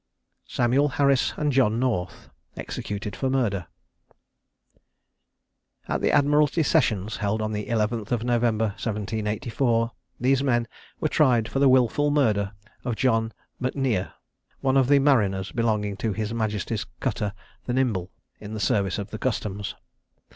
SAMUEL HARRIS AND JOHN NORTH. EXECUTED FOR MURDER. At the Admiralty sessions, held on the 11th of November, 1784, these men were tried for the wilful murder of John M'Nier, one of the mariners belonging to his majesty's cutter the Nimble, in the service of the Customs.